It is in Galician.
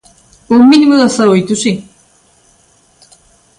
¡Un mínimo de dezaoito, si!